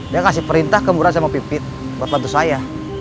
dia kasih perintah ke murah sama pipit buat bantu saya